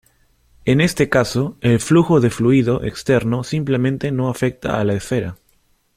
En este caso, el flujo de fluido externo simplemente no afecta a la esfera.